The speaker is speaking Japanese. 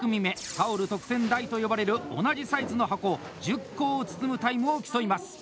「タオル特選大」と呼ばれる同じサイズの箱１０個を包むタイムを競います。